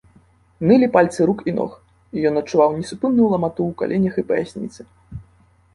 Нылі пальцы рук і ног, і ён адчуваў несупынную ламату ў каленях і паясніцы.